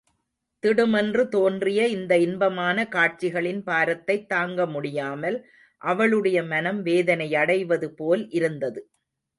திடுமென்று தோன்றிய இந்த இன்பமான காட்சிகளின் பாரத்தைத் தாங்க முடியாமல் அவளுடைய மனம் வேதனையடைவது போல் இருந்தது.